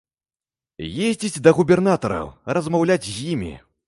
Ездзіць да губернатараў, размаўляць з імі.